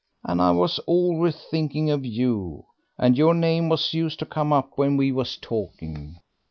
And I was always thinking of you, and your name used to come up when we was talking.